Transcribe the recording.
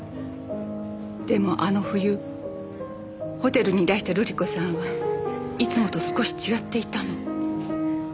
でもあの冬ホテルにいらした瑠璃子さんはいつもと少し違っていたの。